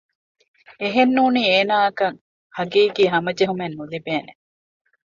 އެހެން ނޫނީ އޭނާއަކަށް ޙަޤީޤީ ހަމަޖެހުމެއް ނުލިބޭނެ